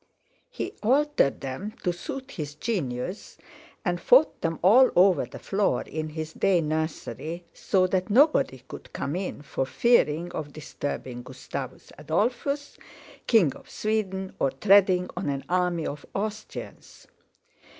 He altered them to suit his genius, and fought them all over the floor in his day nursery, so that nobody could come in, for fearing of disturbing Gustavus Adolphus, King of Sweden, or treading on an army of Austrians.